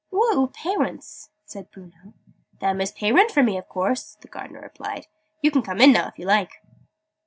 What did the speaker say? "Who are oor pay rints?" said Bruno. "Them as pay rint for me, a course!" the Gardener replied. "You can come in now, if you like."